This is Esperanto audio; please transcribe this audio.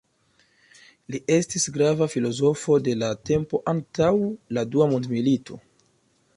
Li estis grava filozofo de la tempo antaŭ la dua mondmilito.